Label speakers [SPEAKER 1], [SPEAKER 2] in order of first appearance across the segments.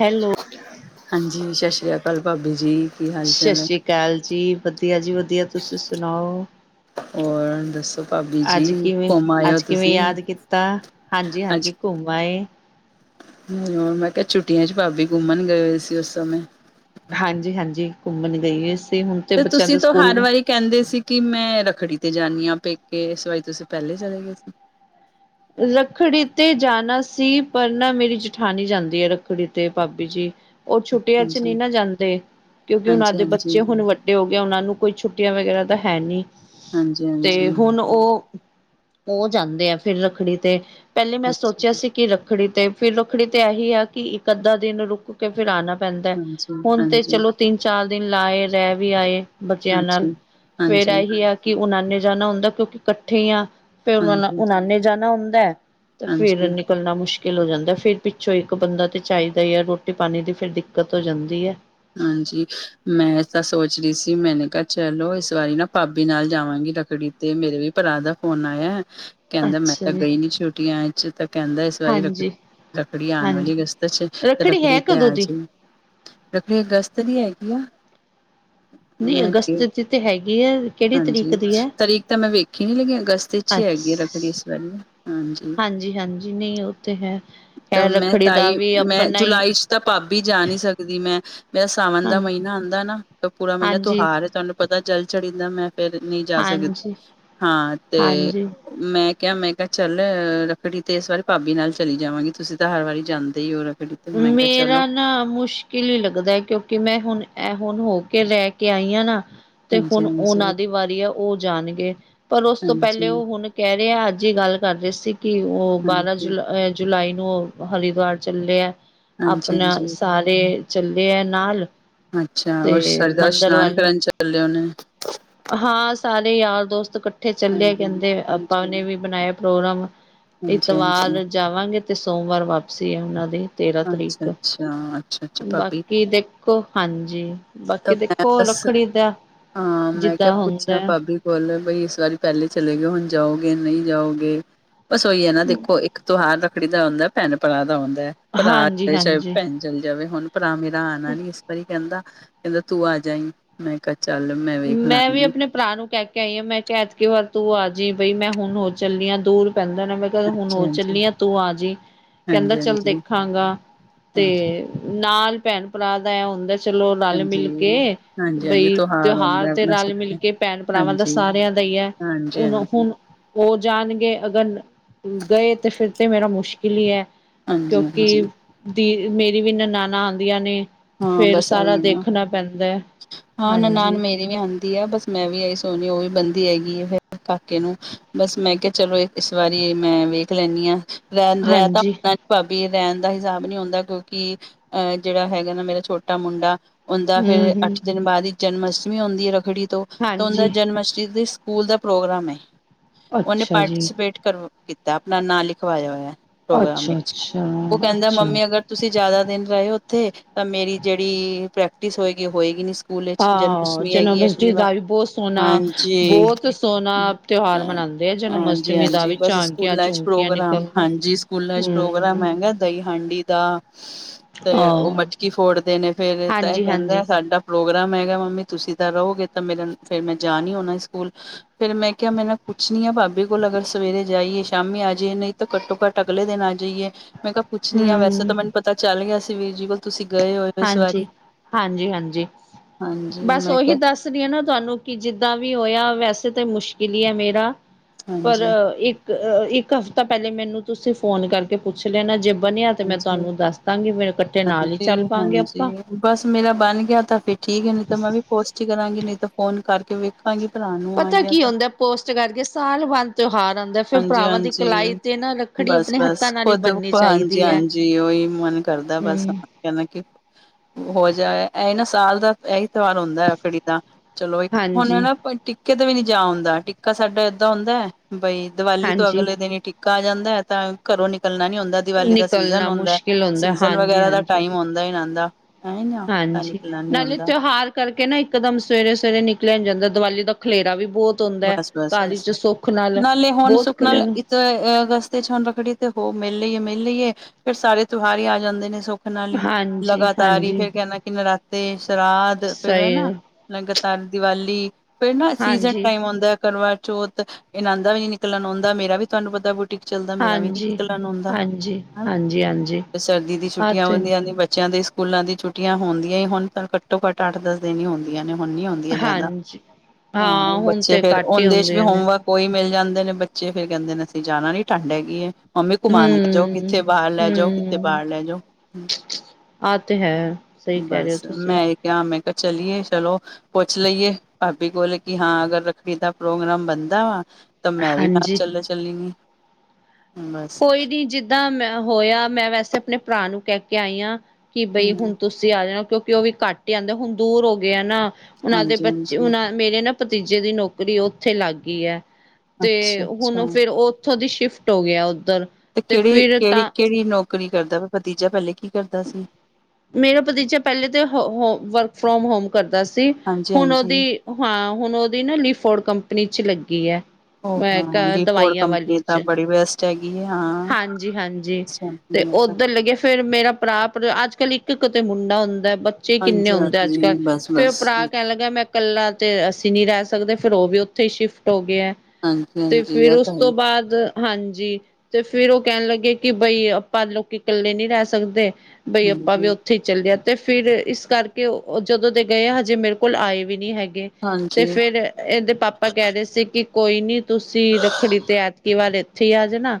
[SPEAKER 1] Hello,
[SPEAKER 2] ਹਾਂਜੀ, ਸਤਿ ਸ੍ਰੀ ਅਕਾਲ ਭਾਬੀ ਜੀ। ਕੀ ਹਾਲ
[SPEAKER 1] ਸਤਿ
[SPEAKER 2] ਚਾਲ ਹੈ
[SPEAKER 1] ਸ੍ਰੀ ਅਕਾਲ ਜੀ, ਵਧੀਆ ਜੀ ਵਧੀਆ ਤੁਸੀਂ ਸੁਣਾਓ?
[SPEAKER 2] ਹੋਰ ਦੱਸੋ ਭਾਬੀ ਜੀ
[SPEAKER 1] ਅੱਜ ਕਿਵੇਂ
[SPEAKER 2] ਘੁੰਮ ਆਇਓ
[SPEAKER 1] ਅੱਜ ਕਿਵੇਂ
[SPEAKER 2] ਤੁਸੀਂ
[SPEAKER 1] ਯਾਦ ਕੀਤਾ ਹਾਂਜੀ-ਹਾਂਜੀ। ਘੁੰਮ ਆਏ।
[SPEAKER 2] ਹੂੰ, ਮੈਂ ਕਿਹਾ ਛੁੱਟੀਆਂ ਚ ਭਾਬੀ ਘੁੰਮਣ ਗਏ ਹੋਏ ਸੀ ਉਸ ਸਮੇਂ।
[SPEAKER 1] ਹਾਂਜੀ-ਹਾਂਜੀ, ਘੁੰਮਣ ਗਈ ਹੋਈ ਸੀ ਹੁਣ।
[SPEAKER 2] ਤੇ
[SPEAKER 1] ਬੱਚਿਆਂ
[SPEAKER 2] ਤੁਸੀਂ
[SPEAKER 1] ਦੇ
[SPEAKER 2] ਤੋਂ ਹਰ
[SPEAKER 1] ਸਕੂਲ
[SPEAKER 2] ਵਾਰੀ ਕਹਿੰਦੇ ਸੀ ਕਿ ਮੈਂ ਰੱਖੜੀ ਤੇ ਜਾਣੀ ਆ ਪੇਕੇ ਇਸ ਵਾਰੀ ਤੁਸੀਂ ਪਹਿਲੇ ਚਲੇ ਗਏ ਸੀ।
[SPEAKER 1] ਰੱਖੜੀ ਤੇ ਜਾਣਾ ਸੀ ਪਰ ਨਾ ਮੇਰੀ ਜਠਾਨੀ ਜਾਂਦੀ ਐ ਰੱਖੜੀ ਤੇ ਭਾਬੀ ਜੀ। ਉਹ ਛੁੱਟੀਆਂ ਚ
[SPEAKER 2] ਹਾਂਜੀ
[SPEAKER 1] ਨਹੀਂ ਨਾ ਜਾਂਦੇ। ਕਿਉਂਕਿ ਉਹਨਾਂ
[SPEAKER 2] ਹਾਂਜੀ
[SPEAKER 1] ਦੇ
[SPEAKER 2] ਹਾਂਜੀ
[SPEAKER 1] ਬੱਚੇ ਹੁਣ ਵੱਡੇ ਹੋ ਗਏ ਉਹਨਾਂ ਨੂੰ ਕੋਈ ਛੁੱਟੀਆਂ ਵਗੈਰਾ ਤਾਂ ਹੈ ਨਹੀਂ, ਤੇ
[SPEAKER 2] ਹਾਂਜੀ-ਹਾਂਜੀ,
[SPEAKER 1] ਹੁਣ ਉਹ ਉਹ ਜਾਂਦੇ ਆ ਫਿਰ ਰੱਖੜੀ ਤੇ ਪਹਿਲੇ ਮੈਂ
[SPEAKER 2] ਹਾਂਜੀ
[SPEAKER 1] ਸੋਚਿਆ ਸੀ। ਕਿ ਰੱਖੜੀ ਤੇ ਫਿਰ ਰੱਖੜੀ ਤੇ ਇਹੀ ਆ ਕਿ ਇੱਕ ਅੱਧਾ ਦਿਨ ਰੁਕ ਕੇ ਫਿਰ ਆਣਾ ਪੈਂਦਾ
[SPEAKER 2] ਹਾਂਜੀ
[SPEAKER 1] ਹੁਣ ਤੇ
[SPEAKER 2] ਹਾਂਜੀ
[SPEAKER 1] ਚਲੋ ਤਿੰਨ ਚਾਰ ਦਿਨ ਲਾ ਆਏ ਰਹਿ ਵੀ ਆਏ। ਬੱਚਿਆਂ
[SPEAKER 2] ਹਾਂਜੀ
[SPEAKER 1] ਨਾਲ ਫੇਰ
[SPEAKER 2] ਹਾਂਜੀ
[SPEAKER 1] ਇਹੀ ਆ। ਕਿ ਓਨਾਂ ਨੇ ਜਾਣਾ ਹੁੰਦਾ ਕਿਉਂਕਿ ਇਕੱਠੇ ਆ ਫੇਰ
[SPEAKER 2] ਹਾਂਜੀ
[SPEAKER 1] ਉਹਨਾਂ ਨੇ ਜਾਣਾ ਹੁੰਦਾ। ਤੇ ਫੇਰ
[SPEAKER 2] ਹਾਂਜੀ
[SPEAKER 1] ਨੀ ਨਿਕਲਣਾ ਮੁਸ਼ਕਿਲ ਹੋ ਜਾਂਦਾ ਫਿਰ ਪਿੱਛੋਂ ਇੱਕ ਬੰਦਾ ਤਾਂ ਚਾਹੀਦਾ ਹੀ ਆ ਰੋਟੀ ਪਾਣੀ ਦੀ ਫਿਰ ਦਿੱਕਤ ਹੋ ਜਾਂਦੀ ਐ।
[SPEAKER 2] ਹਾਂਜੀ, ਮੈਂ ਤਾਂ ਸੋਚ ਰਹੀ ਸੀ ਮੈਨੇ ਕਿਹਾ ਚਲੋ ਇਸ ਵਾਰੀ ਨਾ ਭਾਬੀ ਨਾਲ ਜਾਵਾਂਗੀ ਰੱਖੜੀ। ਤੇ ਮੇਰੇ ਵੀ ਭਰਾ ਦਾ ਫੋਨ ਆਇਆ। ਕਹਿੰਦਾ ਮੈਂ
[SPEAKER 1] ਅੱਛਾ
[SPEAKER 2] ਤਾਂ
[SPEAKER 1] ਜੀ
[SPEAKER 2] ਗਈ ਨੀ ਛੁੱਟੀਆਂ ਚ ਤਾਂ ਕਹਿੰਦਾ ਇਸ ਵਾਰੀ ਰੱਖ
[SPEAKER 1] ਹਾਂਜੀ
[SPEAKER 2] ਰੱਖੜੀ ਆਉਣ ਵਾਲੀ
[SPEAKER 1] ਹਾਂਜੀ
[SPEAKER 2] ਅਗਸਤ ਵਿੱਚ ਤੇ
[SPEAKER 1] ਹੈ
[SPEAKER 2] ਰੱਖੜੀ ਤੇ
[SPEAKER 1] ਕਦੋਂ
[SPEAKER 2] ਆ
[SPEAKER 1] ਦੀ?
[SPEAKER 2] ਜਾਈਂ। ਰੱਖੜੀ ਅਗਸਤ ਦੀ ਹੈਗੀ ਆ।
[SPEAKER 1] ਨਹੀਂ
[SPEAKER 2] ਮੈਂ
[SPEAKER 1] ਅਗਸਤ ਦੀ ਤੇ ਹੈਗੀ ਹੈ ਕਿਹੜੀ ਤਰੀਕ
[SPEAKER 2] ਹਾਂਜੀ
[SPEAKER 1] ਦੀ ਹੈ?
[SPEAKER 2] ਤਾਰੀਕ ਤਾਂ ਮੈਂ ਵੇਖੀ ਨੀ ਲੇਕਿਨ ਅਗਸਤ ਅੱਛੀ ਹੈਗੀ ਆ ਰੱਖੜੀ ਇਸ ਵਾਰੀ ਹਾਂਜੀ।
[SPEAKER 1] ਹਾਂਜੀ-ਹਾਂਜੀ, ਨਹੀਂ ਉਹ ਤੇ ਹੈ। ਹੈ
[SPEAKER 2] ਤਾਂ ਮੈਂ
[SPEAKER 1] ਰੱਖੜੀ ਦਾ
[SPEAKER 2] ਤਾਈ
[SPEAKER 1] ਵੀ
[SPEAKER 2] ਮੈਂ
[SPEAKER 1] ਆਪਣਾ ਹੀ
[SPEAKER 2] ਜੁਲਾਈ 'ਚ ਤਾਂ ਭਾਬੀ ਜਾ ਨਹੀਂ ਸਕਦੀ ਮੈਂ ਵੈਸੇ ਸਾਵਣ
[SPEAKER 1] ਹਾਂ
[SPEAKER 2] ਦਾ ਮਹੀਨਾ ਆਂਦਾ ਨਾ ਤੇ ਪੂਰਾ ਮਹੀਨਾ
[SPEAKER 1] ਹਾਂਜੀ
[SPEAKER 2] ਤਿਉਹਾਰ ਆ ਤੁਹਾਨੂੰ ਪਤਾ ਜਲ ਚੜੀਦਾ ਮੈਂ। ਫਿਰ ਨਹੀਂ ਜਾ ਸਕਦੇ
[SPEAKER 1] ਹਾਂਜੀ
[SPEAKER 2] ਹਾਂ ਤੇ
[SPEAKER 1] ਹਾਂਜੀ
[SPEAKER 2] ਮੈਂ ਕਿਹਾ ਮੈਂ ਕਿਹਾ ਚੱਲ ਰੱਖੜੀ ਤੇ ਇਸ ਵਾਰੀ ਭਾਬੀ ਨਾਲ ਚਲੀ। ਜਾਵਾਂਗੀ ਤੁਸੀਂ ਤਾਂ ਹਰ ਵਾਰੀ ਜਾਂਦੇ ਹੀ ਹੋ ਰੱਖੜੀ ਤੇ। ਮੈਂ ਕਿਹਾ ਚਲੋ
[SPEAKER 1] ਮੇਰਾ ਨਾ ਮੁਸ਼ਕਿਲ। ਹੀ ਲੱਗਦਾ ਕਿਉਂਕਿ ਮੈਂ ਹੁਣ ਇਹ ਹੁਣ ਹੋ ਕੇ ਰਹਿ ਕੇ ਆਈ ਹਾਂ ਨਾ। ਤੇ
[SPEAKER 2] ਹਾਂਜੀ
[SPEAKER 1] ਹੁਣ ਉਹਨਾਂ
[SPEAKER 2] ਹਾਂਜੀ
[SPEAKER 1] ਦੀ ਵਾਰੀ ਆ ਉਹ ਜਾਣਗੇ ਪਰ ਉਸ ਤੋਂ ਪਹਿਲੇ
[SPEAKER 2] ਹਾਂਜੀ
[SPEAKER 1] ਉਹ ਹੁਣ। ਕਹਿ ਰਹੇ ਆ ਅੱਜ ਹੀ ਗੱਲ ਕਰ ਰਹੇ ਸੀ ਕਿ ਉਹ ਬਾਰਾਂ
[SPEAKER 2] ਹਾਂਜੀ
[SPEAKER 1] ਜੁਲਾਈ। ਜੁਲਾਈ ਨੂੰ ਹਰਿਦੁਆਰ ਚੱਲੇ ਆ।
[SPEAKER 2] ਹਾਂਜੀ
[SPEAKER 1] ਆਪਣਾ
[SPEAKER 2] ਹਾਂਜੀ
[SPEAKER 1] ਸਾਰੇ ਚੱਲੇ ਆ ਨਾਲ।
[SPEAKER 2] ਅੱਛਾ
[SPEAKER 1] ਤੇ
[SPEAKER 2] ਹੋਰ ਸ਼ਰਦਾ
[SPEAKER 1] ਮੰਦਰ
[SPEAKER 2] ਇਸ਼ਨਾਨ
[SPEAKER 1] ਵਾਲੇ
[SPEAKER 2] ਕਰਨ ਚੱਲੇ ਹੋਣੇ?
[SPEAKER 1] ਹਾਂ ਸਾਰੇ ਯਾਰ ਦੋਸਤ ਇਕੱਠੇ ਚੱਲੇ
[SPEAKER 2] ਹਾਂਜੀ
[SPEAKER 1] ਕਹਿੰਦੇ ਆਪਾਂ ਨੇ
[SPEAKER 2] ਹਾਂਜੀ
[SPEAKER 1] ਵੀ ਬਣਾਇਆ। ਪ੍ਰੋਗਰਾਮ
[SPEAKER 2] ਹਾਂਜੀ ਹਾਂਜੀ
[SPEAKER 1] ਇਤਵਾਰ ਜਾਵਾਂਗੇ ਤੇ ਸੋਮਵਾਰ ਵਾਪਸੀ ਹੈ ਉਹਨਾਂ ਦੀ। ਤੇਰਾਂ
[SPEAKER 2] ਅੱਛਾ ਅੱਛਾ
[SPEAKER 1] ਤਰੀਕ,
[SPEAKER 2] ਅੱਛਾ ਅੱਛਾ ਭਾਬੀ
[SPEAKER 1] ਬਾਕੀ ਦੇਖੋ, ਹਾਂਜੀ। ਬਾਕੀ
[SPEAKER 2] ਤਾਂ ਮੈਂ
[SPEAKER 1] ਦੇਖੋ
[SPEAKER 2] ਬਸ
[SPEAKER 1] ਰੱਖੜੀ ਦਾ ਜਿੱਦਾਂ ਹੁੰਦਾ।
[SPEAKER 2] ਬੋਲੋ ਬਈ ਇਸ ਵਾਰੀ ਪਹਿਲੇ ਚਲੇ ਗਏ ਹੁਣ ਜਾਓਗੇ ਨਹੀਂ ਜਾਓਗੇ ਬਸ ਉਹੀ ਹੈ ਨਾ ਦੇਖੋ। ਤਿਉਹਾਰ ਰੱਖੜੀ ਦਾ ਹੁੰਦਾ ਭੈਣ ਭਰਾ ਦਾ ਹੁੰਦਾ ਹੈ ਭਰਾ ਆ
[SPEAKER 1] ਹਾਂਜੀ
[SPEAKER 2] ਜਾਏ ਚਾਹੇ
[SPEAKER 1] ਹਾਂਜੀ
[SPEAKER 2] ਭੈਣ। ਚੱਲ ਜਾਵੇ ਹੁਣ ਭਰਾ ਮੇਰਾ ਆਉਣਾ ਨੀ ਇਸ ਵਾਰੀ ਕਹਿੰਦਾ ਕਹਿੰਦਾ ਤੂੰ ਆ ਜਾਈ ਮੈਂ ਕਿਹਾ ਚੱਲ ਮੈਂ। ਵੇਖ
[SPEAKER 1] ਮੈਂ ਵੀ
[SPEAKER 2] ਲਾਂਗੀ
[SPEAKER 1] ਆਪਣੇ। ਭਰਾ ਨੂੰ ਕਹਿ ਕੇ ਆਈ ਆ ਮੈਂ ਕਿਹਾ ਐਤਕੀ ਵਾਰ ਤੂੰ ਆ ਜਈ ਬਈ ਮੈਂ ਹੁਣ ਹੋ ਚੱਲੀ ਆ ਦੂਰ ਪੈਂਦਾ ਨਾ ਮੈਂ। ਹੁਣ
[SPEAKER 2] ਹਾਂਜੀ
[SPEAKER 1] ਹੋ
[SPEAKER 2] ਹਾਂਜੀ
[SPEAKER 1] ਚੱਲੀ ਆ ਤੂੰ ਆ ਜਈ ਕਹਿੰਦਾ
[SPEAKER 2] ਹਾਂਜੀ
[SPEAKER 1] ਚੱਲ
[SPEAKER 2] ਹਾਂਜੀ
[SPEAKER 1] ਦੇਖਾਂਗਾ ਤੇ।
[SPEAKER 2] ਹਾਂਜੀ
[SPEAKER 1] ਨਾਲ ਭੈਣ ਭਰਾ ਦਾ ਇਹ ਹੁੰਦਾ ਚਲੋ ਰਲ
[SPEAKER 2] ਹਾਂਜੀ
[SPEAKER 1] ਮਿਲ ਕੇ
[SPEAKER 2] ਹਾਂਜੀ ਹਾਂਜੀ
[SPEAKER 1] ਬਈ। ਤਿਉਹਾਰ
[SPEAKER 2] ਆਉਂਦਾ
[SPEAKER 1] ਤੇ
[SPEAKER 2] ਆਪਣਾ
[SPEAKER 1] ਰਲ
[SPEAKER 2] ਸੁੱਖ
[SPEAKER 1] ਮਿਲ ਕੇ ਭੈਣ ਭਰਾਵਾਂ ਦਾ
[SPEAKER 2] ਹਾਂਜੀ
[SPEAKER 1] ਸਾਰਿਆਂ ਦਾ ਹੀ ਹੈ
[SPEAKER 2] ਹਾਂਜੀ
[SPEAKER 1] ਹੁਣ
[SPEAKER 2] ਹਾਂਜੀ
[SPEAKER 1] ਹੁਣ। ਉਹ ਜਾਣਗੇ ਅਗਰ ਗਏ ਤੇ ਫਿਰ ਤੇ ਮੇਰਾ ਮੁਸ਼ਕਿਲ ਹੀ ਹੈ।
[SPEAKER 2] ਹਾਂਜੀ ਹਾਂਜੀ
[SPEAKER 1] ਕਿਉਂਕਿ ਦੀ ਮੇਰੀ ਵੀ ਨਨਾਨਾਂ ਆਉਂਦੀਆਂ ਨੇ।
[SPEAKER 2] ਹਾਂ
[SPEAKER 1] ਫੇਰ
[SPEAKER 2] ਬਸ
[SPEAKER 1] ਸਾਰਾ
[SPEAKER 2] ਇਹੀ ਹੈ ਨਾ
[SPEAKER 1] ਦੇਖਣਾ ਪੈਂਦਾ ਹੈ
[SPEAKER 2] ਹਾਂ ਨਨਾਨ
[SPEAKER 1] ਹਾਂਜੀ।
[SPEAKER 2] ਮੇਰੀ ਵੀ ਆਉਂਦੀ ਆ ਬਸ ਮੈਂ ਵੀ ਆਹੀ ਸੋਹਣੀ ਉਹ ਵੀ ਬਣਦੀ ਹੈਗੀ ਆ ਫਿਰ ਕਾਕੇ ਨੂੰ। ਬਸ ਮੈਂ ਕਿਹਾ, ਚਲੋ ਇਸ ਵਾਰੀ ਮੈਂ ਵੇਖ ਲੈਂਦੀ ਹਾਂ। ਰਹਿ ਰਹਿਣ ਤਾਂ
[SPEAKER 1] ਹਾਂਜੀ
[SPEAKER 2] ਨਾ ਭਾਬੀ ਰਹਿਣ ਦਾ ਹਿਸਾਬ ਨਹੀਂ ਹੁੰਦਾ ਕਿਉਂਕਿ ਅਹ ਜਿਹੜਾ ਹੈਗਾ। ਕਹਿੰਦਾ ਮੇਰਾ ਛੋਟਾ ਮੁੰਡਾ ਉਹਦਾ
[SPEAKER 1] ਹੂੰ
[SPEAKER 2] ਫੇਰ ਅੱਠ
[SPEAKER 1] ਹੂੰ
[SPEAKER 2] ਦਿਨ ਬਾਅਦ ਹੀ ਜਨਮ ਅਸ਼ਟਮੀ ਆਉਂਦੀ ਹੈ ਰੱਖੜੀ ਤੋਂ। ਤਾਂ ਉਹਦਾ
[SPEAKER 1] ਹਾਂਜੀ
[SPEAKER 2] ਜਨਮਅਸ਼ਟਮੀ ਦੇ ਸਕੂਲ ਦਾ ਪ੍ਰੋਗਰਾਮ ਹੈ। ਉਹਨੇ
[SPEAKER 1] ਅੱਛਾ ਜੀ
[SPEAKER 2] ਪਾਰਟੀਸਪੇਟ ਕਰ ਕੀਤਾ। ਆਪਣਾ ਨਾਂ ਲਿਖਵਾਇਆ ਹੋਇਆ ਪ੍ਰੋਗਰਾਮ
[SPEAKER 1] ਅੱਛਾ
[SPEAKER 2] ਵਿੱਚ
[SPEAKER 1] ਅੱਛਾ
[SPEAKER 2] ਉਹ ਕਹਿੰਦਾ
[SPEAKER 1] ਅੱਛਾ
[SPEAKER 2] ਮੰਮੀ ਅਗਰ। ਤੁਸੀਂ ਜਿਆਦਾ ਦਿਨ ਰਹੇ ਹੋ ਉੱਥੇ ਤਾਂ ਮੇਰੀ ਜਿਹੜੀ ਪ੍ਰੈਕਟਿਸ ਹੋਏਗੀ ਹੋਏਗੀ ਨੀ। ਸਕੂਲ ਵਿੱਚ
[SPEAKER 1] ਹਾਂ
[SPEAKER 2] ਜਨਮਅਸ਼ਟਮੀ ਹੈਗੀ
[SPEAKER 1] ਜਨਮ
[SPEAKER 2] ਅੱਠਵੇ
[SPEAKER 1] ਅਸ਼ਟਮੀ
[SPEAKER 2] ਦਿਨ
[SPEAKER 1] ਦਾ ਵੀ ਬਹੁਤ ਸੋਹਣਾ
[SPEAKER 2] ਹਾਂਜੀ।
[SPEAKER 1] ਬਹੁਤ ਸੋਹਣਾ ਤਿਉਹਾਰ ਮਨਾਉਂਦੇ ਆ ਜਨਮ
[SPEAKER 2] ਹਾਂਜੀ
[SPEAKER 1] ਅਸ਼ਟਮੀ ਦਾ
[SPEAKER 2] ਹਾਂਜੀ
[SPEAKER 1] ਵੀ
[SPEAKER 2] ਬਸ
[SPEAKER 1] ਝਾਂਕੀਆਂ
[SPEAKER 2] ਸਕੂਲਾਂ ਚ
[SPEAKER 1] ਝੁਮਕੀਆਂ
[SPEAKER 2] ਪ੍ਰੋਗਰਾਮ
[SPEAKER 1] ਨਿਕਲਦੇ
[SPEAKER 2] ਹਾਂਜੀ ਸਕੂਲਾਂ ਚ ਪ੍ਰੋਗਰਾਮ
[SPEAKER 1] ਹੂੰ
[SPEAKER 2] ਹੈਗਾ। ਦਹੀਂ ਹਾਂਡੀ ਦਾ ਤੇ ਉਹ
[SPEAKER 1] ਆਹ
[SPEAKER 2] ਮਟਕੀ ਫੋੜਦੇ ਨੇ। ਫੇਰ ਤਾਂ ਇਹ
[SPEAKER 1] ਹਾਂਜੀ ਹਾਂਜੀ
[SPEAKER 2] ਕਹਿੰਦਾ ਸਾਡਾ ਪ੍ਰੋਗਰਾਮ ਹੈਗਾ। ਮੰਮੀ ਤੁਸੀਂ ਤਾਂ ਰਹੋਗੇ ਤਾਂ ਮੇਰਾ ਫੇਰ ਮੈਂ ਜਾਣ ਨਹੀ ਹੋਣਾ ਸਕੂਲ। ਫੇਰ ਮੈਂ ਕਿਹਾ, ਮੈਂ ਨਾ ਪੁੱਛਨੀ ਆ ਭਾਬੀ ਕੋਲ ਅਗਰ ਸਵੇਰੇ ਜਾਈਏ ਸ਼ਾਮੀ ਆ ਜਾਈਏ ਨਹੀਂ। ਤਾਂ ਘੱਟੋ ਘੱਟ ਅਗਲੇ ਦਿਨ ਆ ਜਾਈਏ। ਮੈਂ ਕਿਹਾ ਪੁੱਛਣੀ ਆ ਵੈਸੇ ਤਾਂ
[SPEAKER 1] ਹੂੰ
[SPEAKER 2] ਮੈਨੂੰ ਪਤਾ ਚੱਲ ਗਿਆ ਸੀ। ਵੀਰ ਜੀ ਕੋਲ ਤੁਸੀਂ ਗਏ ਹੋਏ। ਇਸ
[SPEAKER 1] ਹਾਂਜੀ
[SPEAKER 2] ਵਾਰੀ
[SPEAKER 1] ਹਾਂਜੀ ਹਾਂਜੀ
[SPEAKER 2] ਹਾਂਜੀ
[SPEAKER 1] ਬਸ
[SPEAKER 2] ਮੈਂ
[SPEAKER 1] ਉਹੀ
[SPEAKER 2] ਕਿਹਾ
[SPEAKER 1] ਦੱਸ। ਦੱਸਦੀ ਆ ਨਾ ਤੁਹਾਨੂੰ ਕਿ ਜਿੱਦਾਂ ਵੀ ਹੋਇਆ ਵੈਸੇ ਤਾਂ ਮੁਸ਼ਕਿਲ ਹੀ ਹੈ ਮੇਰਾ। ਪਰ
[SPEAKER 2] ਹਾਂਜੀ
[SPEAKER 1] ਇੱਕ ਇੱਕ ਹਫ਼ਤਾ ਪਹਿਲੇ ਮੈਨੂੰ ਤੁਸੀਂ ਫੋਨ ਕਰ। ਕੇ ਪੁੱਛ ਲੇਣਾ, ਜੇ ਬਣਿਆ ਤੇ, ਮੈਂ
[SPEAKER 2] ਹਾਂਜੀ
[SPEAKER 1] ਤੁਹਾਨੂੰ ਦੱਸ ਦਾਂਗੀ ਫੇ ਇਕੱਠੇ ਨਾਲ ਹੀ ਚੱਲ
[SPEAKER 2] ਹਾਂਜੀ
[SPEAKER 1] ਪਾਂਗੇ
[SPEAKER 2] ਹਾਂਜੀ।
[SPEAKER 1] ਆਪਾਂ।
[SPEAKER 2] ਬਸ ਮੇਰਾ ਬਣ ਗਿਆ ਤਾਂ ਫਿਰ ਠੀਕ ਹੈ ਨਹੀਂ ਤਾਂ ਮੈਂ ਵੀ ਪੋਸਟ ਹੀ ਕਰਾਂਗੀ ਨਹੀਂ ਤਾਂ ਫੋਨ ਕਰਕੇ ਵੇਖ। ਪਾਂਗੀ ਭਰਾ ਨੂੰ। ਆ
[SPEAKER 1] ਪਤਾ
[SPEAKER 2] ਗਿਆ
[SPEAKER 1] ਕੀ
[SPEAKER 2] ਤਾਂ
[SPEAKER 1] ਹੁੰਦਾ ਪੋਸਟ ਕਰਕੇ ਸਾਲ ਬਾਦ ਤਿਉਹਾਰ ਆਉਂਦਾ।
[SPEAKER 2] ਹਾਂਜੀ, ਹਾਂਜੀ, ਬਸ,
[SPEAKER 1] ਆਪਣੇ ਹੱਥਾਂ
[SPEAKER 2] ਬਸ
[SPEAKER 1] ਨਾਲ ਹੀ
[SPEAKER 2] ਖੁਦ
[SPEAKER 1] ਬਣਨੀ
[SPEAKER 2] ਹਾਂਜੀ
[SPEAKER 1] ਚਾਹੀਦੀ ਐ।
[SPEAKER 2] ਹਾਂਜੀ ਓਹੀ ਮਨ। ਕਰਦਾ ਬਸ ਹ।
[SPEAKER 1] ਹੂੰ,
[SPEAKER 2] ਕਹਿੰਦਾ ਕਿ ਹੋ ਜਾਏ ਇਹ ਨਾ ਸਾਲ ਦਾ ਇਹੀ ਤਿਉਹਾਰ ਹੁੰਦਾ ਰੱਖੜੀ ਦਾ। ਚਲੋ, ਹੁਣ ਮੇਨ, ਨਾ
[SPEAKER 1] ਹਾਂਜੀ-ਹਾਂਜੀ।
[SPEAKER 2] ਟਿੱਕੇ ਤੇ, ਵੀ ਨੀ, ਜਾ ਓਂਦਾ ਟਿੱਕਾ ਸਾਡਾ ਏਦਾਂ ਹੁੰਦਾ, ਬਈ ਦੀਵਾਲੀ ਤੋਂ ਅਗਲੇ ਦਿਨ ਹੀ ਟਿੱਕਾ ਆ ਜਾਂਦਾ ਹੈ, ਤਾਂ, ਘਰੋਂ ਨਿਕਲਣਾ ਨੀ ਹੁੰਦਾ। ਦੀਵਾਲੀ ਦਾ ਸੀਜ਼ਨ
[SPEAKER 1] ਨਿਕਲਣਾ
[SPEAKER 2] ਹੁੰਦਾ ਹੈ,
[SPEAKER 1] ਮੁਸ਼ਕਿਲ ਹੁੰਦਾ
[SPEAKER 2] ਸੀਜਨ ਵਗੈਰਾ ਦਾ
[SPEAKER 1] ਹਾਂਜੀ-ਹਾਂਜੀ। ਹਾਂਜੀ,
[SPEAKER 2] ਟਾਈਮ ਆਉਂਦਾ ਈ ਰਹਿੰਦਾ। ਤਾਂ, ਈ, ਨਾ, ਤਾਂ
[SPEAKER 1] ਹਾਂਜੀ,
[SPEAKER 2] ਨਿਕਲਣਾ ਨੀ
[SPEAKER 1] ਨਾਲੇ
[SPEAKER 2] ਹੋਂਦਾ
[SPEAKER 1] ਤਿਉਹਾਰ ਕਰਕੇ ਨਾ, ਇੱਕਦਮ ਸਵੇਰੇ-ਸਵੇਰੇ ਨਿਕਲਿਆ ਨੀ ਜਾਂਦਾ ਦੀਵਾਲੀ ਦਾ ਖਲੇਰਾ ਵੀ ਬਹੁਤ ਧੋਂਦਾ ਹੈ,
[SPEAKER 2] ਬਸ ਬਸ ਬਸ
[SPEAKER 1] ਘਾਰੀ'ਚ ਸੁੱਖ ਨਾਲ, ਬਹੁਤ ਖਲ ਨੂੰ
[SPEAKER 2] ਅਗਸਤੇ 'ਚ ਹੁਣ ਰੱਖੜੀ ਤੇ, ਹੋ ਮਿਲ ਲਈਏ, ਮਿਲ ਲਈਏ ਫਿਰ ਸਾਰੇ ਤਿਉਹਾਰ ਈ ਆ ਜਾਂਦੇ ਨੇ, ਸ ਰੱਖ ਨਾਲੀ,
[SPEAKER 1] ਹਾਂਜੀ,
[SPEAKER 2] ਲਗਾਤਾਰ ਹੀ
[SPEAKER 1] ਹਾਂਜੀ
[SPEAKER 2] ਫਿਰ ਕਹਿਣਾ ਕਿ ਨਰਾੱਤੇ, ਸ਼ਰਾਧ ਫਿਰ
[SPEAKER 1] ਸਹੀ
[SPEAKER 2] ਹਨਾ,
[SPEAKER 1] ਐ
[SPEAKER 2] ਲਗਾਤਾਰ ਦੀਵਾਲੀ ਫਿਰ ਨਾ, ਸੀਜਨ
[SPEAKER 1] ਹਾਂਜੀ, ਹਾਂਜੀ।
[SPEAKER 2] ਆਉਂਦਾ ਏ, ਕਰਵਾਚੋਤ ਇਹਨਾਂਦਾ ਵੀ ਨੀ, ਨਿਕਲਣ ਆਉਂਦਾ ਮੇਰਾ ਵੀ, ਤੁਹਾਨੂੰ ਪਤਾ ਬ ਚੱਲਦਾ ਮੇਰਾ ਵੀ ਨੀ,
[SPEAKER 1] ਹਾਂਜੀ,
[SPEAKER 2] ਨਿਕਲਣ ਹੁੰਦਾ ਹਨਾ,
[SPEAKER 1] ਹਾਂਜੀ, ਹਾਂਜੀ
[SPEAKER 2] ਫਿਰ ਸਰਦੀ ਦੀ
[SPEAKER 1] ਆ
[SPEAKER 2] ਛੁੱਟੀਆਂ
[SPEAKER 1] ਤੇ
[SPEAKER 2] ਹੋਂਦੀ-ਆਂਦੀ ਬੱਚਿਆਂ ਦੇ ਸਕੂਲਾਂ ਦੀਆ ਛੂੱਟੀਆ ਹੁੰਦੀਆਂ ਹੀ, ਹੁਣ ਤਾਂ, ਘੱਟੋ-ਘੱਟ, ਆਠ, ਦਸ ਦਿਨ ਹੀ, ਹੋਂਦੀਆਂ ਨੀ, ਹਣ ਨੀ ਹਆਂ ਜ਼ਿਆਦਾ
[SPEAKER 1] ਹਾਂਜੀ।
[SPEAKER 2] ਹਾਂ, ਉਹ
[SPEAKER 1] ਹੁਣ
[SPEAKER 2] ਬੱਚੇ
[SPEAKER 1] ਤੇ
[SPEAKER 2] ਫੇਰ,
[SPEAKER 1] ਘੱਟ ਹੀ
[SPEAKER 2] ਉਂਹਦੇ 'ਚ ਵੀ
[SPEAKER 1] ਹੁੰਦੀਆਂ ਨੇ
[SPEAKER 2] ਹੋਮਵਰਕ ਕੋਈ ਮਿਲ ਜਾਂਦੇ ਨੇ, ਬੱਚੇ ਫੇਰ ਕਹਿੰਦੇ ਨੇ, ਅਸੀਂ ਜਾਣਾ ਨੀ ਠੰਢ ਹੈਗੀ ਹੈ। 'ਮੰਮੀ' ਘੁਮਾਉਣ ਲੈ ਜਾਓ,
[SPEAKER 1] ਹੂੰ।
[SPEAKER 2] ਕਿੱਥੇ ਬਾਹਰ ਲੈ ਜਾਓ, ਕਿੱਥੇ
[SPEAKER 1] ਹੂੰ,
[SPEAKER 2] ਬਾਹਰ ਲੈ ਜਾਓ।
[SPEAKER 1] ਆਹ ਤੇ ਹੈ, ਸਹੀ ਕਹਿ ਰਹੇ ਹੋ,
[SPEAKER 2] ਬਸ
[SPEAKER 1] ਤੁਸੀ।
[SPEAKER 2] ''ਮੈਂ ਕਿਆ ''ਮੈਂ ਕਿਹਾ ਚਲੀਏ, ਚਲੋ, ਪੁੱਛ ਲਈਏ ਭਾਭੀ ਕੋੋਲੇ ਕਿ ਹਾਂ, ਅਗਰ ਰੀ ਦਾ ਪ੍ਰੋਗਰਾਮ ਬਣਦਾ ਵਾ, ਤਾਂ ''ਮੈਂ ਵੀ, ਨਾਲ
[SPEAKER 1] ਹਾਂਜੀ।
[SPEAKER 2] ਚੱਲੇ, ਚੱਲੀ
[SPEAKER 1] ਕੋਈ ਨੀ ਜਿੱਦਾਂ ਮੈਂ ਹੋਇਆ, ਮੈਂ ਵੈਸੇ ਆਪਣੇ ਭਰਾ ਨੂੰ ਕਹਿ ਕੇ ਆਈ ਹਾਂ, ਕਿ, ਬਈ
[SPEAKER 2] ਹੂੰ
[SPEAKER 1] ਹੁਣ ਤੁਸ ਆ ਜਾਣਾ, ਕਿਉਂਕਿ ਉਹ ਵੀ ਘੱਟ ਹੀ ਆਂਦੇ ਨੇ, ਹੁਣ ਦੂਰ ਹੋ ਗਏ ਆ, ਨਾ ਉਹਨਾਂ ਦੇ ਬੱਚੇ
[SPEAKER 2] ਹਾਂਜੀ-ਹਾਂਜੀ
[SPEAKER 1] ਉਹਨਾਂ ਮੇਰੇ ਨਾ ਭਤੀਜੇ ਦੀ ਨੌਕਰੀ ਉੱਥੇ ਲੱਗ ਗਈ ਹੈ, ਤੇ,
[SPEAKER 2] ਅੱਛਾ-ਅੱਛਾ
[SPEAKER 1] ਹੁਣ ਫਿਰ, ਓ ਉੱਥੋਂ ਦੀ ਸ਼ਿਫਟ ਹੋ ਗਿਆ, ਉੱਧਰ
[SPEAKER 2] ਤੇ, ਕਿਹੜੀ-
[SPEAKER 1] ਫਿਰ
[SPEAKER 2] ਕਿਹੜੀ,
[SPEAKER 1] ਤਾਂ
[SPEAKER 2] ਕਿਹੜੀ ਨੌਕਰੀ ਕਰਦਾ ਵਾ ਭਤੀਜਾ? ਪਹਿਲੇ ਕੀ ਕਰਦਾ ਸੀ?
[SPEAKER 1] ਮੇਰਾ ਭਤੀਜਾ ਪਹਿਲੇ ਤੇ, ਹੋ, ਹੋਮ ਵਰ ਫਰੋਮ ਹੋਮ ਕਰਦਾ ਸੀ, ਹੁਣ
[SPEAKER 2] ਹਾਂਜੀ-ਹਾਂਜੀ
[SPEAKER 1] ਉਹਦੀ ਹਾਂ, ਹੁਣ ਉਹਦੀ ਨਾ, ਲੀਫੋਡ ਕੰਪਨੀ 'ਚ ਲੱਗੀ ਹੈ।
[SPEAKER 2] ਉਹ ਹਾਂ
[SPEAKER 1] ਅਹ
[SPEAKER 2] ਲੀਫੋਡ
[SPEAKER 1] ਦਵਾਈਆਂ
[SPEAKER 2] ਕੰਪਨੀ ਤਾਂ
[SPEAKER 1] ਵਾਲੀ'ਚ
[SPEAKER 2] ਬੜੀ ਬੈਸਟ ਹੈਗੀ ਹੈ ਹਾਂ
[SPEAKER 1] ਹਾਂਜੀ-ਹਾਂਜੀ। ਤੇ,
[SPEAKER 2] ਹਾਂਜੀ ਇਹ ਤਾਂ-
[SPEAKER 1] ਉੱਧਰ ਲੱਗੇ ਫਿਰ, ਮੇਰਾ ਭਰਾ ਅੱਜ- ਕੱਲ, ਇੱਕ-ਇੱਕ ਤੇ, ਮੁੰਡਾ ਹੁੰਦਾ ਚੇ ਕਿੰਨੇ
[SPEAKER 2] ਹਾਂਜੀ
[SPEAKER 1] ਹੁੰਦੇ ਆ,
[SPEAKER 2] ਹਾਂਜੀ
[SPEAKER 1] ਅੱਜ-ਕੱਲ
[SPEAKER 2] ਬਸ
[SPEAKER 1] ਫਿਰ ਓ,
[SPEAKER 2] ਬਸ
[SPEAKER 1] ਭਰਾ ਕਹਿਣ ਲੱਗਾ ''ਮੈਂ ਇਕੱਲਾ ਤੇ, ਅਸੀਂ ਨਹੀਂ ਰਹਿ ਸਕਦੇ। ਫਿਰ ਉਹ ਵੀ, ਉੱਥੇ ਹੀ ਸ਼ਿਫਟ ਹੋ ਗਿਆ।
[SPEAKER 2] ਹਾਂਜੀ
[SPEAKER 1] ਤੇ,
[SPEAKER 2] ਹਾਂਜੀ
[SPEAKER 1] ਫਿਰ
[SPEAKER 2] ਆ
[SPEAKER 1] ਉਸ
[SPEAKER 2] ਤਾਂ ਹੈ
[SPEAKER 1] ਤੋਂ ਬਾਅਦ ਹਾਂਜੀ। ਤੇ, ਫਿਰ ਉਹ ਕਹਿਣ ਲੱਗੇ ਕਿ, ਬਈ, ਆਪਾਂ ਲੋਕੀ ਇਕੱਲੇ ਨਹੀਂ ਰਹਿ ਸਕਦੇ। ਬਈ, ਆਪਾ
[SPEAKER 2] ਹਾਂਜੀ
[SPEAKER 1] ਵੀ ਉੱਥੇ ਹੀ ਚੱਲ ਜਾਂਦੇ ਤੇ, ਫਿਰ, ਇਸ ਕਰਕੇ ਜਦੋਂ ਦੇ ਗਏ ਆ, ਹਜੇ ਮੇਰੇ ਕੋਲ ਆਏ ਵੀ ਨਹੀਂ ਹੈਗੇ। ਤੇ,
[SPEAKER 2] ਹਾਂਜੀ
[SPEAKER 1] ਫਿਰ ਇਹਦੇ ਪਾਪਾ ਕਹਿ ਰਹੇ ਸੀ, ਕਿ ਕੋਈ ਨੀ ਤੁਸੀਂ ਰੱਖੜੀ ਤੇ, ਐਕਟੀਵਾ ਤੇ ਇੱਥੇ ਹੀ ਆ ਜਾਣਾ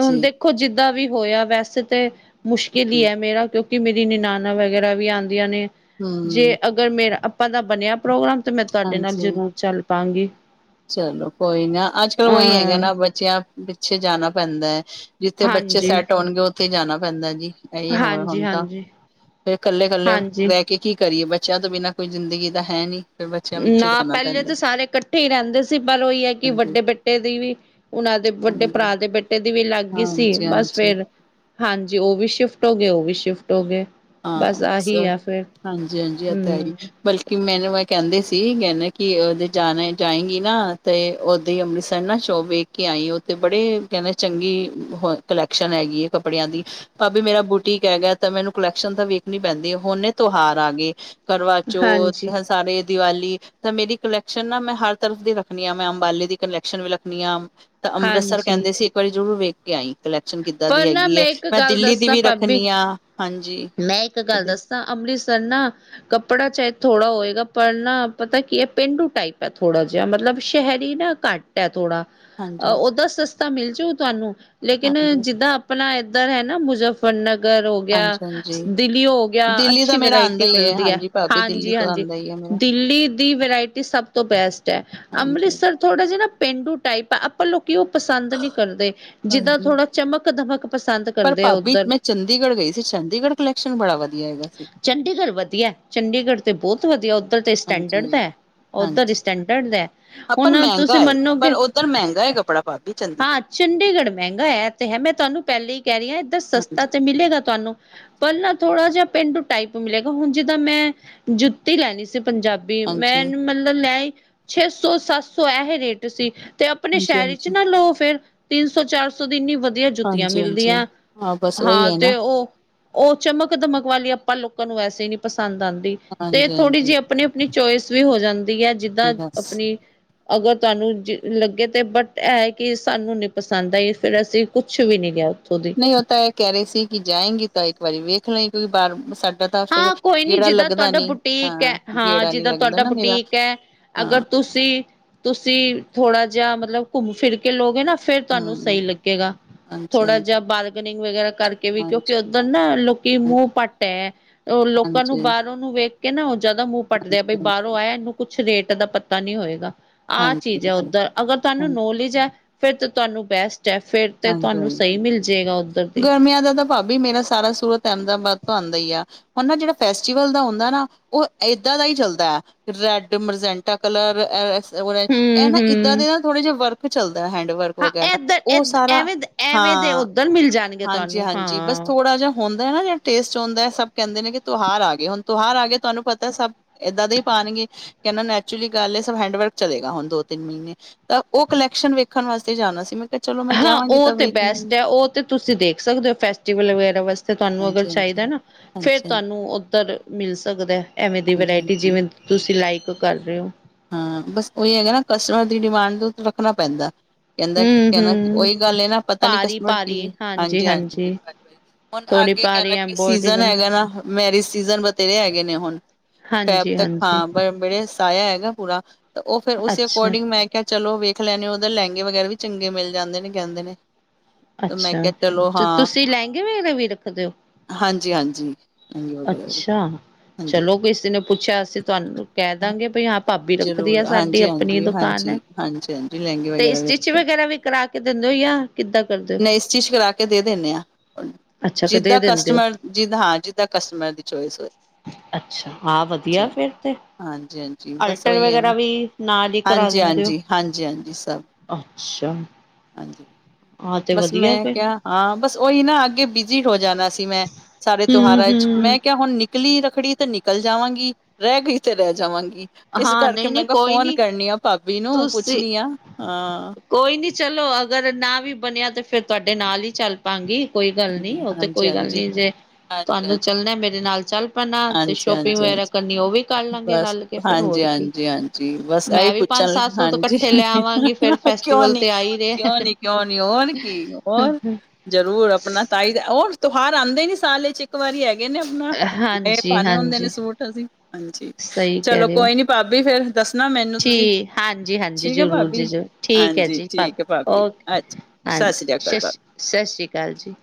[SPEAKER 1] ਹੁਣ ਦੇਖੋ ਜਿੱਦਾਂ ਵੀ ਹੋਇਆ ਵੈਸੇ ਤੇ, ਮੁਸ਼ਕਿਲ ਹੀ,
[SPEAKER 2] ਹਮ
[SPEAKER 1] ਹੈ। ਮੇਰਾ ਕਿਉਂਕਿ ਮੇਰੀ ਨਨੇਨਾਂ ਵਗੈਰਾ ਵੀ ਆਂਦੀਆਂ ਨੇ, ਜੇ,
[SPEAKER 2] ਹਮ,
[SPEAKER 1] ਅ ਅਗਰ ਮੇਰਾ ਆਪਾਂ ਦਾ ਬਣਿਆ ਪ੍ਰੋਗਰਾਮ ਤਾਂ, ਮੈਂ ਤੁਹਾਡੇ ਨਾਲ
[SPEAKER 2] ਹਾਂਜੀ
[SPEAKER 1] ਜ਼ਰੂਰ ਚੱਲ ਪਾਂਗੀ।
[SPEAKER 2] ਚਲੋ, ਕੋਈ ਨਾ, ਅੱਜ-ਕਲ ਉਹੀ ਹੈਗਾ
[SPEAKER 1] ਹਾਂ
[SPEAKER 2] ਨਾ, ਬੱਚਿਆਂ ਪਿੱਛੇ ਜਾਣਾ ਪੈਂਦਾ ਏ। ਜਿੱਥੇ ਬੱਚੇ
[SPEAKER 1] ਹਾਂਜੀ,
[SPEAKER 2] ਸੈੱਟ ਹੋਣਗੇ ਉੱਥੇ ਹੀ ਜਾਣਾ ਪੈਂਦਾ ਜੀ, ਇਹੀ ਹੋ,
[SPEAKER 1] ਹਾਂਜੀ,
[SPEAKER 2] ਹੁਣ ਤਾਂ
[SPEAKER 1] ਹਾਂਜੀ,
[SPEAKER 2] ਕੱਲੇ ਕੱਲੇ
[SPEAKER 1] ਹਾਂਜੀ।
[SPEAKER 2] ਰਹਿ ਕੇ ਕੀ ਕਰੀਏ ਬੱਚਿਆਂ ਤੋਂ ਬਿਨਾਂ ਕੋਈ ਜ਼ਿੰਦਗੀ ਤਾਂ ਹੈ ਨੀ, ਫਿਰ ਬੱਚਿਆਂ ਪਿੱਛੇ
[SPEAKER 1] ਨਾ
[SPEAKER 2] ਜਾਣਾ
[SPEAKER 1] ਪਹਿਲੇ
[SPEAKER 2] ਪੈਂਦਾ
[SPEAKER 1] ਤਾਂ ਸਾਰੇ ਇ ਇਕੱਠੇ ਹੀ ਰਹਿੰਦੇ ਸੀ, ਪਰ ਉਹੀ ਹੈ, ਕਿ,
[SPEAKER 2] ਹਾਂਜੀ
[SPEAKER 1] ਵੱਡੇ ਬੇਟੇ ਦੀ ਵੀ, ਉਹਨਾਂ ਦੇ ਵੱਡੇ
[SPEAKER 2] ਹਾਂਜੀ
[SPEAKER 1] ਭਰਾ ਦੇ ਬੇਟੇ ਦੀ ਵੀ ਲੱਗ ਗਈ ਸੀ,
[SPEAKER 2] ਹਾਂਜੀ
[SPEAKER 1] ਬਸ
[SPEAKER 2] ਹਾਂਜੀ
[SPEAKER 1] ਫਿਰ, ਹਾਂਜੀ, ਉਹ ਵੀ ਸ਼ਿਫਟ ਹੋ ਗਏ, ਉਹ ਵੀ ਸ਼ਿਫਟ ਹੋ ਗਏ।
[SPEAKER 2] ਹਾਂ,
[SPEAKER 1] ਬਸ ਆਹੀ ਆ ਫਿਰ
[SPEAKER 2] ਹਾਂਜੀ -ਹਾਂਜੀ ਓ, ਤੇ, ਹੈਈ।
[SPEAKER 1] ਹੂੰ
[SPEAKER 2] ਬਲਕਿ ਮੈਨੂੰ ਕਹਿੰਦੇ ਸੀ, ਕਹਿੰਦੇ ਕਿ, ਉਹਦੇ ਜਾਣਾ ਜਾਏਗੀ ਨਾ ਤੇ ਉਹ ਅਤੇ ਅੰਮ੍ਰਿਤਸਰ ਨਾ ਸ਼ੋ ਵੇਖ ਕੇ ਆਈ, ਉੱਥੇ ਬੜੇ ਕਹਿੰਦੇ ਚੰਗੀ, ਹੋ ਕਲੈਕਸ਼ਨ ਹੈਗੀ ਹੈ ਕੱਪੜਿਆਂ ਦੀ। ਭਾਬੀ ਮੇਰਾ ਬੂਟੀਕ ਹੈਗਾ ਤਾ, ਮੈਨੂੰ ਕੁਲੈਕਸ਼ਨ ਤਾਂ ਵੇਖਣੀ ਪੈਂਦੀ, ਹੁਣੇ ਤੋਹਾਰ ਆ ਗਏ, ਕਰਵਾਚੋਥ
[SPEAKER 1] ਹਾਂਜੀ,
[SPEAKER 2] ਹਾਂ, ਸਾਰੇ ਦੀਵਾਲੀ ਤਾਂ, ਮੇਰੀ ਕਲੈਕਸ਼ਨ ਨਾ ''ਮੈਂ ਹਰ ਤਰਫ ਦੀ ਰੱਖਣੀ ਆ, ਮੈਂ ਅੰਬਾਲੇ ਦੀ ਕਲੈਕਸ਼ਨ ਵੀ ਰੱਖਨੀ ਆ। ਅੰਮ੍ਰਿਤਸਰ
[SPEAKER 1] ਹਾਂਜੀ।
[SPEAKER 2] ਕਹਿੰਦੇ ਸੀ ਇੱਕ ਵਾਰੀ ਜ਼ਰੂਰ ਵੇਖ ਕੇ ਆਈ। ਕਲੈਕਸ਼ਨ ਕਿੱਦਾਂ
[SPEAKER 1] ਪਰ
[SPEAKER 2] ਦੀ
[SPEAKER 1] ਨਾ
[SPEAKER 2] ਹੈਗੀ ਆ
[SPEAKER 1] ਇੱਕ
[SPEAKER 2] ਮੈਂ
[SPEAKER 1] ਗੱਲ
[SPEAKER 2] ਦਿੱਲੀ ਦੀ
[SPEAKER 1] ਦੱਸਾਂ
[SPEAKER 2] ਵੀ
[SPEAKER 1] ਭਾਬੀ
[SPEAKER 2] ਰੱਖਣੀ ਆ ਹਾਂਜੀ,
[SPEAKER 1] ਮੈਂ ਇੱਕ ਗੱਲ
[SPEAKER 2] ਹਾਂਜੀ
[SPEAKER 1] ਦੱਸਾਂ ਅੰਮ੍ਰਿਤਸਰ ਨਾ ਕੱਪੜਾ ਚਾਹੇ ਥੋੜ੍ਹਾ ਹੋਏਗਾ ਪਰ ਨਾ ਪਤਾ ਕੀ ਐ ਪੇਂਡੂ ਟਾਈਪ ਐ ਥੋੜਾ ਜਿਹਾ ਮਤਲਬ ਸ਼ਹਿਰੀ ਨਾ, ਘੱਟ ਥੋੜਾ। ਅ
[SPEAKER 2] ਹਾਂਜੀ
[SPEAKER 1] ਓਦਾਂ ਸਸਤਾ ਮਿਲਜੂ ਤੁਹਾਨੂੰ
[SPEAKER 2] ਹਾਂਜੀ
[SPEAKER 1] ਲੇਕਿਨ ਜਿੱਦਾਂ ਆਪਣਾ ਇੱਧਰ ਹੈ ਨਾ ਮੁਜ਼ ਨਗਰ ਹੋ ਗਿਆ।
[SPEAKER 2] ਹਾਂਜੀ-ਹਾਂਜੀ,
[SPEAKER 1] ਦਿੱਲੀ ਹੋ ਗਿਆ
[SPEAKER 2] ਦਿੱਲੀ ਤਾਂ
[SPEAKER 1] ਅੱਛੀ
[SPEAKER 2] ਮੇਰਾ ਆਂਦਾ
[SPEAKER 1] ਵਰਾਇਟੀ
[SPEAKER 2] ਈ
[SPEAKER 1] ਮਿਲਦੀ ਐ
[SPEAKER 2] ਹਾਂਜੀ ਭਾਬੀ ਦਿੱਲੀ ਤੋਂ
[SPEAKER 1] ਹਾਂਜੀ-ਹਾਂਜੀ,
[SPEAKER 2] ਆਂਦਾ ਈ ਐ ਮੇਰਾ
[SPEAKER 1] ਦਿੱਲੀ ਦੀ ਵਰਾਇਟੀ। ਸਭ ਤੋਂ ਬੈਸਟ ਐ
[SPEAKER 2] ਹਾਂਜੀ।
[SPEAKER 1] ਅੰਮ੍ਰਿਤਸਰ। ਥੋੜ੍ਹਾ ਜਾ ਨਾ ਪੇਂਡੂ ਟਾਈਪ ਆ ਆਪਾਂ ਲੋਕੀ ਉਹ ਪਸੰਦ ਨੀ ਕਰਦੇ। ਜਿੱਦਾਂ
[SPEAKER 2] ਹਾਂਜੀ।
[SPEAKER 1] ਥੋੜਾ ਚਮਕ ਦਮਕ ਪਸੰਦ
[SPEAKER 2] ਪਰ
[SPEAKER 1] ਕਰਦੇ ਆ
[SPEAKER 2] ਭਾਬੀ
[SPEAKER 1] ਉੱਧਰ।
[SPEAKER 2] ਮੈਂ ਚੰਡੀਗੜ੍ਹ ਗਈ ਸੀ, ਚੰਡੀਗੜ੍ਹ ਕਲੈਕਸ਼ਨ ਬੜਾ ਵਧੀਆ ਹੈਗਾ ਸੀ।
[SPEAKER 1] ਚੰਡੀਗੜ੍ਹ ਵਧੀਆ, ਚੰਡੀਗੜ੍ਹ ਤੇ ਬਹੁਤ ਵਧੀਆ ਉੱਧਰ ਤੇ ਸਟੈਂਡਰਡ ਦਾ।
[SPEAKER 2] ਹਾਂਜੀ-ਹਾਂਜੀ।
[SPEAKER 1] ਉਧਰ ਹੀ ਸਟੈਂਡਰਡ ਦਾ
[SPEAKER 2] ਹਾਂ ਪਰ
[SPEAKER 1] ਹੁਣ ਤੁਸੀਂ
[SPEAKER 2] ਮਹਿੰਗਾ ਏ
[SPEAKER 1] ਮੰਨੋਗੇ।
[SPEAKER 2] ਪਰ ਉੱਧਰ ਮਹਿੰਗਾ ਏ ਕੱਪੜਾ ਭਾਬੀ
[SPEAKER 1] ਹਾਂ,
[SPEAKER 2] ਚੰਡੀਗੜ੍ਹ
[SPEAKER 1] ਚੰਡੀਗੜ੍ਹ ਮਹਿੰਗਾ ਐ ਤੇ ਹੈ ਮੈਂ ਤੁਹਾਨੂੰ ਪਹਿਲੇ ਹੀ ਕਹਿ ਰਹੀ ਆ ਇੱਧਰ ਸਸਤਾ
[SPEAKER 2] ਹਾਂਜੀ-ਹਾਂਜੀ।
[SPEAKER 1] ਤੇ ਮਿਲੇਗਾ ਤੁਹਾਨੂੰ। ਥੋੜਾ ਜਿਹਾ ਪੇਂਡੂ ਟਾਈਪ ਮਿਲੇਗਾ ਹੁਣ ਜਿੱਦਾਂ ਮੈਂ ਜੁੱਤੀ ਲੈਣੀ ਸੀ ਪੰਜਾਬੀ, ਮੈਂ ਮਤਲਬ ਲੈ ਛੇ ਸੌ ਸੱਤ ਸੌ ਇਹ ਰੇਟ ਸੀ ਤੇ ਆਪਣੇ ਸ਼ਹਿਰ ਵਿੱਚ
[SPEAKER 2] ਹਾਂਜੀ-ਹਾਂਜੀ।
[SPEAKER 1] ਨਾ ਲਓ ਫੇਰ ਤਿੰਨ ਸੌ ਚਾਰ ਸੌ ਦੀ ਇੰਨੀ ਵਧ ਆਂ ਜੁੱਤੀਆਂ
[SPEAKER 2] ਹਾਂਜੀ-ਹਾਂਜੀ
[SPEAKER 1] ਮਿਲਦੀਆਂ
[SPEAKER 2] ਬਸ ਉਹੀ
[SPEAKER 1] ਹਾਂ
[SPEAKER 2] ਐ
[SPEAKER 1] ਤੇ
[SPEAKER 2] ਨਾ
[SPEAKER 1] ਉਹ ਓ ਚਮਕ ਦਮਕ ਵਾਲੀ ਆਪਾਂ ਲੋਕਾਂ ਨੂੰ ਵੈਸੇ ਨੀ ਪਸੰਦ ਆਂਦੀ ਤੇ ਥੋੜ੍ਹੀ
[SPEAKER 2] ਹਾਂਜੀ-ਹਾਂਜੀ
[SPEAKER 1] ਜਿਹੀ ਆਪਣੇ ਚੋਇਸ ਵੀ ਹੋ ਜਾਂਦੀ ਆ ਜਿੱਦਾਂ
[SPEAKER 2] ਬਸ।
[SPEAKER 1] ਆਪਣੀ ਅਗਰ ਤੁਹਾਨੂੰ ਲੱਗੇ ਤੇ ਬਟ ਇਹ ਕਿ ਸਾਨੂੰ ਨੀ ਪਸੰਦ ਆਈ ਫਿਰ ਅਸੀਂ ਕੁਛ ਵੀ ਨੀ ਕਿਹਾ
[SPEAKER 2] ਨਹੀਂ ਓ ਤਾਂ ਏ ਕਹਿ ਰਹੇ ਸੀ ਕਿ ਜਾਏਗੀ ਤਾਂ ਇੱਕ ਵਾਰੀ ਵੇਖਲੀ ਕਿਉਂਕਿ ਬਾਹਰ
[SPEAKER 1] ਹਾਂ ਕੋਈ ਨੀ ਜਿੱਦਾਂ ਤੁਹਾਡਾ ਬੁਟੀਕ ਐ ਹਾਂ
[SPEAKER 2] ਗੇੜਾ ਨੀ
[SPEAKER 1] ਜਿੱਦਾਂ
[SPEAKER 2] ਲੱਗਦਾ
[SPEAKER 1] ਤੁਹਾਡਾ
[SPEAKER 2] ਨਾ ਮੇਰਾ
[SPEAKER 1] ਬੁਟੀਕ ਆ ਅਗਰ
[SPEAKER 2] ਹਾਂ
[SPEAKER 1] ਤੁਸੀਂ ਤੁਸੀਂ ਤੁਸੀਂ ਥੋੜਾ ਜਿਹਾ ਮਤਲਬ ਘੁੰਮ ਫਿਰ ਕੇ ਲੋਗੇ ਨਾ ਫੇਰ ਤੁਹਾਨੂੰ ਸਹੀ
[SPEAKER 2] ਹੂੰ
[SPEAKER 1] ਲੱਗੇਗਾ ਥੋੜਾ
[SPEAKER 2] ਹਾਂਜੀ-ਹਾਂਜੀ,
[SPEAKER 1] ਜਿਹਾ ਬਾਰਗਨਿੰਗ ਵਗੈਰਾ ਕਰਕੇ ਵੀ ਕਿਉਂਕਿ
[SPEAKER 2] ਹਾਂਜੀ, ਹਾਂਜੀ,
[SPEAKER 1] ਉੱਧਰ ਨਾ ਲੋਕੀ ਮੂੰਹ ਪਟ ਉਹ ਲੋਕਾਂ ਨੂੰ
[SPEAKER 2] ਹਾਂਜੀ-ਹਾਂਜੀ।
[SPEAKER 1] ਬਾਹਰੋਂ ਨੂੰ ਵੇਖ ਕੇ ਨਾ ਜਿਆਦਾ ਮੂੰਹ ਪੱਟਦੇ ਆ ਬਈ ਬਾਹਰੋਂ ਆਇਆ ਇਹਨੂੰ ਕੁਛ ਰੇਟ ਦਾ ਪਤਾ ਨਹੀਂ ਹੋਏਗਾ ਆਹ ਚੀਜ਼ ਐ
[SPEAKER 2] ਹਾਂਜੀ-ਹਾਂਜੀ, ਹਾਂਜੀ,
[SPEAKER 1] ਉਧਰ ਅਗਰ ਤੁਹਾਨੂੰ ਨੋਲੇਜ ਐ ਫਿਰ ਤੇ ਤੁਹਾਨੂੰ ਬੈਸਟ ਐ ਫਿਰ ਤੇ ਤੁਹਾਨੂੰ ਸਹੀ
[SPEAKER 2] ਹਾਂਜੀ-ਹਾਂਜੀ।
[SPEAKER 1] ਮਿਲ ਜੇਗਾ ਉਧਰ ਤੇ,
[SPEAKER 2] ਗਰਮੀਆਂ ਦਾ ਤਾਂ ਭਾਬੀ ਮੇਰਾ ਸਾਰਾ ਸੂਰਤ ਅਹਿਮਦਾਬਾਦ ਤੋਂ ਆਉਂਦਾ ਈ ਆ। ਹੁਣ ਨਾ ਜਿਹੜਾ ਫੈਸਟੀਵਲ ਦਾ ਹੁੰਦਾ ਨਾ ਉਹ ਏਦਾਂ ਦਾ ਹੀ ਚੱਲਦਾ। ਰੈਡ, ਮਰਜੈਂਟਾ ਕਲਰ, ਇਹ
[SPEAKER 1] ਹੂੰ
[SPEAKER 2] ਨਾ ਇੱਦਾਂ
[SPEAKER 1] ਹੂੰ
[SPEAKER 2] ਦੇ ਨਾ ਥੋੜੇ ਜਿਹੇ ਵਰਕ ਚੱਲਦਾ ਹੈਂਡ ਵਰਕ
[SPEAKER 1] ਹਾਂ
[SPEAKER 2] ਵਗੈਰਾ
[SPEAKER 1] ਏਧਰ
[SPEAKER 2] ਉਹ,
[SPEAKER 1] ਏਧ ਐਵੇਂ ਐਵੇਂ ਦੇ
[SPEAKER 2] ਹਾਂ,
[SPEAKER 1] ਉੱਧਰ ਮਿਲ ਜਾਣਗੇ ਤੁਹਾਨੂੰ
[SPEAKER 2] ਹਾਂਜੀ-ਹਾਂਜੀ ਬਸ
[SPEAKER 1] ਹਾਂ।
[SPEAKER 2] ਥੋੜਾ, ਥੋੜਾ ਜਹਾ ਹੁੰਦਾ ਨਾ ਜਾਂ ਟੇਸਟ ਹੁੰਦਾ ਸਭ ਕਹਿੰਦੇ ਨੇ ਕਿ ਤ ਤੁਉਹਾਰ ਆਏ ਹੁਣ ਤਿਉਹਾਰ ਆਏ ਤੁਹਾਨੂੰ ਪਤਾ ਸਭ, ਇੱਦਾਂ ਦੇ ਹੀ ਪਾਣਗੇ ਕਹਿਣਾ ਨੈਚੁਰਲੀ ਗੱਲ ਸਭ ਹੈਂਡਵਰਕ ਚਲੇਗਾ ਹੁਣ ਦੋ ਤਿੰਨ ਮਹੀਨੇ ਤਾਂ ਉਹ ਕਲੈਕਸ਼ਨ ਵੇਖਣ ਵਾਸਤੇ ਜਾਣਾ ਸੀ ਮੈਂ ਕਿਹਾ ਚਲੋ ਮੈਂ
[SPEAKER 1] ਹਾਂ,
[SPEAKER 2] ਜਾਵਾਂਗੀ
[SPEAKER 1] ਉਹ
[SPEAKER 2] ਤਾਂ
[SPEAKER 1] ਤੇ
[SPEAKER 2] ਵੇਖ ਲਵਾਂਗੀ
[SPEAKER 1] ਬੈਸਟ ਐ ਉਹ ਤੇ ਤੁਸੀਂ ਦੇਖ ਸਕਦੇ ਓ ਫੈਸਟੀਵਲ ਵਗੈਰਾ ਵਾਸਤੇ ਤੁਹਾਨੂੰ ਅਗਰ
[SPEAKER 2] ਹਾਂਜੀ-ਹਾਂਜੀ।
[SPEAKER 1] ਚਾਹੀਦਾ ਨਾ ਫੇਰ
[SPEAKER 2] ਹਾਂਜੀ
[SPEAKER 1] ਤੁਹਾਨੂੰ ਉੱਧਰ ਮਿਲ ਸਕਦਾ ਐਵੇਂ ਦੀ ਵਰਾਇਟੀ
[SPEAKER 2] ਹਾਂਜੀ-ਹਾਂਜੀ
[SPEAKER 1] ਜਿਵੇਂ ਤੁਸੀਂ ਲਾਈਕ ਕਰ ਰਹੇ ਹੋ
[SPEAKER 2] ਬਸ ਉਹੀ ਹੈਗਾ ਨਾ ਕਸਟਮਰ ਦੀ ਡਿਮਾਂਡ ਤੋਂ ਰੱਖਣਾ ਪੈਂਦਾ
[SPEAKER 1] ਹੂੰ
[SPEAKER 2] ਕਹਿੰਦਾ-ਕਹਿੰਦਾ
[SPEAKER 1] ਹੂੰ
[SPEAKER 2] ਉਹੀ ਗੱਲ ਨਾ ਪਤਾ ਨੀ ਕਸਟਮਰ ਕੀ ਹਾਂਜੀ- ਹਾ ਹੁਣ
[SPEAKER 1] ਥੋੜੀ
[SPEAKER 2] ਆਗੇ ਕਹਿਣਾ
[SPEAKER 1] ਭਾਰੀ
[SPEAKER 2] ਕਿ ਸੀਜਨ
[SPEAKER 1] ਐਬੋਰਡੀਬਲ
[SPEAKER 2] ਹੈਗਾ ਨਾ ਮੈਰਿਜ ਸੀਜਨ ਬਥੇਰੇ ਹੈਗੇ ਨੇ ਹੁਣ
[SPEAKER 1] ਹਾਂਜੀ
[SPEAKER 2] ਤ
[SPEAKER 1] ਹਾਂਜੀ
[SPEAKER 2] ਹਾਂ ਬ ਮੇਰੇ ਸ ਆਇਆ ਹੈਗਾ ਪੂਰਾ ਉਹ ਫੇਰ ਉਸੇ
[SPEAKER 1] ਅੱਛਾ
[SPEAKER 2] ਅਕੋਰਡਿੰਗ ਮੈਂ ਕ ਚਲੋ ਵੇਖ ਲੈਂਣੇ ਉਹਦੇ ਲਹਿੰਗੇ ਵਗੈਰਾ ਵੀ ਚੰਗੇ ਮਿਲ ਜਾਂਦੇ ਨੇ ਕਹਿੰਦੇ ਨੇ ਮੈਂ
[SPEAKER 1] ਅੱਛਾ,
[SPEAKER 2] ਕਿਹਾ ਚਲੋ
[SPEAKER 1] ਤੇ ਤੁਸੀਂ ਲਹਿੰਗੇ ਵਗੈਰਾ ਵੀ ਰੱਖਦੇ ਹੋ
[SPEAKER 2] ਹਾਂਜੀ-ਹਾਂਜੀ
[SPEAKER 1] ਅੱਛਾ, ਚਲੋ ਕਿਸੇ ਨੇ ਪੁੱਛਿਆ ਅਸੀਂ ਤੁਹਾਨੂੰ ਕਹਿ ਦਾਂਗੇ ਬਈ ਹਾਂ ਭਾਬੀ ਰੱਖਦੀ ਆ
[SPEAKER 2] ਜ਼ਰੂਰ
[SPEAKER 1] ਸਾਡੀ
[SPEAKER 2] ਹਾਂਜੀ
[SPEAKER 1] ਆਪਣੀ
[SPEAKER 2] ਹਾਂਜੀ
[SPEAKER 1] ਦੁਕਾਨ ਐ
[SPEAKER 2] ਹਾਂਜੀ ਹਾਂਜੀ ਹਾਂਜੀ ਲਹਿੰਗੇ
[SPEAKER 1] ਤੇ
[SPEAKER 2] ਵਗੈਰਾ
[SPEAKER 1] ਸਟਿਚ
[SPEAKER 2] ਵੇਖ
[SPEAKER 1] ਵਗੈਰਾ ਵੀ ਕਰਾ ਕਿ ਦਿੰਦੇ ਹੋ ਯਾ ਕਿੱਦਾਂ ਕਰਦਾ।
[SPEAKER 2] ਨਹੀਂ ਇਸ ਸਟੀਚ ਕਰਾ ਕੇ ਦੇ ਦਿੰਦੇ ਹਾਂ।
[SPEAKER 1] ਅੱਛਾ ਕਦੇ
[SPEAKER 2] ਜਿੱਦਾਂ
[SPEAKER 1] ਦਿੰਦੇ ਹੋ
[SPEAKER 2] ਕਸਟਮਰ ਜਿੱਦਾਂ ਹਾਂ। ਜਿੱਦਾਂ ਕਸਟਮਰ ਦੀ ਚੋਇਸ ਹੋਏ।
[SPEAKER 1] ਅੱਛਾ। ਹਾਂ, ਵਧੀਆ ਫੇਰ ਤੇ
[SPEAKER 2] ਹਾਂਜੀ ਹਾਂਜੀ ਬਸ
[SPEAKER 1] ਅਲਟਰ
[SPEAKER 2] ਉਹੀ ਹੈ
[SPEAKER 1] ਵਗੈਰਾ
[SPEAKER 2] ਨਾ
[SPEAKER 1] ਵੀ ਨਾਲ ਦੀ ਕਰਾ
[SPEAKER 2] ਹਾਂਜੀ
[SPEAKER 1] ਦਿੰਦੇ ਹੋ।
[SPEAKER 2] ਹਾਂਜੀ ਹਾਂਜੀ ਹਾਂਜੀ ਸਭ
[SPEAKER 1] ਅੱਛਾ।
[SPEAKER 2] ਹਾਂਜੀ।
[SPEAKER 1] ਆਹ ਤੇ
[SPEAKER 2] ਬਸ
[SPEAKER 1] ਵਧੀਆ
[SPEAKER 2] ਮੈਂ
[SPEAKER 1] ਫਿਰ
[SPEAKER 2] ਕਿਹਾ ਹਾਂ। ਬਸ ਉਹੀ ਨਾ ਅੱਗੇ ਬਿਜੀ ਹੋ ਜਾਣਾ। ਸੀ। ਮੈਂ ਸਾਰੇ
[SPEAKER 1] ਹਮ
[SPEAKER 2] ਤਿਉਹਾਰਾਂ ਚ
[SPEAKER 1] ਹਮ
[SPEAKER 2] 'ਮੈਂ ਕਿਹਾ ਹੁਣ ਨ ਨਿਕਲੀ। ਰੱਖੜੀ ਤੇ ਨਿਕਲ ਜਾਵਾਂਗੀ। ਰਹਿ ਗਈ ਤੇ ਰਹਿ ਜਾਵਾਂਗੀ। ਇਸ
[SPEAKER 1] ਹਾਂ
[SPEAKER 2] ਕਰਕੇ
[SPEAKER 1] ਨਹੀਂ
[SPEAKER 2] ਮੈਂ
[SPEAKER 1] ਨਹੀਂ
[SPEAKER 2] ਕਿਹਾ,
[SPEAKER 1] ਕੋਈ
[SPEAKER 2] ਫੋਨ
[SPEAKER 1] ਨੀ
[SPEAKER 2] ਕਰਨੀ ਆ ਭਾਬੀ ਨੂੰ,
[SPEAKER 1] ਤੁਸੀਂ
[SPEAKER 2] ਪੁੱਛਣੀ ਆ ਹਾਂ।
[SPEAKER 1] ਕੋਈ ਨੀ ਚਲੋ, ਅਗਰ ਨਾ ਵੀ ਬਣਿਆ ਤੇ ਫਿਰ ਤੁਹਾਡੇ ਨਾਲ ਹੀ ਚੱਲ ਪਾਂਗੀ ਕੋਈ ਗੱਲ ਨੀ, ਉਹ ਤੇ
[SPEAKER 2] ਹਾਂਜੀ
[SPEAKER 1] ਕੋਈ ਗੱਲ
[SPEAKER 2] ਹਾਂਜੀ ਹਾਂਜੀ
[SPEAKER 1] ਨੀ, ਜੇ ਤੁਹਾਨੂੰ
[SPEAKER 2] ਹਾਂਜੀ
[SPEAKER 1] ਚੱਲਣਾ ਮੇਰੇ ਨਾਲ ਚੱਲ ਆਪਣਾ ਤੇ
[SPEAKER 2] ਹਾਂਜੀ
[SPEAKER 1] ਸ਼ੋਪਿੰਗ
[SPEAKER 2] ਹਾਂਜੀ
[SPEAKER 1] ਵਗੈਰਾ ਕਰਨੀ ਉਹ ਵੀ ਕਰ ਲਾਂਗੇ ਰਲ ਕੇ। ਫਿਰ
[SPEAKER 2] ਜ
[SPEAKER 1] ਹੋਰ ਕੀ
[SPEAKER 2] ਹਾਂਜੀ-ਹਾਂਜੀ ਬਸ ਇਹੀ
[SPEAKER 1] ਮੈਂ ਵੀ ਪੰਜ
[SPEAKER 2] ਪੁੱਛਣ
[SPEAKER 1] ਸੱਤ ਸੂਟ
[SPEAKER 2] ਹਾਂਜੀ।
[SPEAKER 1] ਇਕੱਠੇ ਲੈ ਆਵਾਂਗੀ ਫਿਰ
[SPEAKER 2] ਕਿਉਂ
[SPEAKER 1] ਫੈਸਟੀਵਲ
[SPEAKER 2] ਨੀ
[SPEAKER 1] ਤੇ ਆ ਹੀ
[SPEAKER 2] ਕਿਉਂ
[SPEAKER 1] ਰਹੇ
[SPEAKER 2] ਨੀ। ਕਿਉਂ ਨਹੀਂ ਹੋਰ ਕੀ ਹੋਰ ਜ਼ਰੂਰ ਆਪਣਾ। ਤਾਈ ਦਾ ਉਹ ਤਿਉਹਾਰ ਆਉਂਦੇ ਨੀ ਸਾਲੇ ਚ ਇੱਕ ਵਾਰੀ ਹੈਗੇ ਨੇ। ਇਹ
[SPEAKER 1] ਹਾਂਜੀ
[SPEAKER 2] ਪਾਣੇ ਹੁੰਦੇ ਨੇ
[SPEAKER 1] ਹਾਂਜੀ
[SPEAKER 2] ਸੂਟ ਅਸੀਂ ਹਾਂਜੀ।
[SPEAKER 1] ਸਹੀ ਕਹਿ
[SPEAKER 2] ਚਲੋ,
[SPEAKER 1] ਰਹੇ ਹੋ
[SPEAKER 2] ਕੋਈ ਨੀ ਭਾਬੀ ਫੇਰ ਦੱਸਣਾ ਮੈਨੂੰ ਤੁਸੀਂ
[SPEAKER 1] ਠੀਕ ਹਾਂਜੀ- ਹਾਂਜੀ
[SPEAKER 2] ਠੀਕ ਹੈ
[SPEAKER 1] ਜ਼ਰੂਰ
[SPEAKER 2] ਭਾਬੀ
[SPEAKER 1] ਜੀ ਠੀਕ ਹੈ
[SPEAKER 2] ਹਾਂਜੀ
[SPEAKER 1] ਜੀ, ਪਰ
[SPEAKER 2] ਠੀਕ ਹੈ ਭਾਬੀ
[SPEAKER 1] ਓਕੇ,
[SPEAKER 2] ਅੱਛਾ
[SPEAKER 1] ਹਾਂ।
[SPEAKER 2] ਸਤਿ ਸ੍ਰੀ
[SPEAKER 1] ਸ
[SPEAKER 2] ਅਕਾਲ ਭਾਬੀ
[SPEAKER 1] ਸਤਿ ਸ਼੍ਰੀ ਅਕਾਲ ਜੀ।